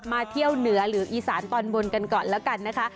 เที่ยวเหนือหรืออีสานตอนบนกันก่อนแล้วกันนะคะ